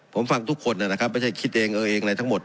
ผมฟังทุกคนนะครับไม่ใช่คิดเองเอาเองอะไรทั้งหมด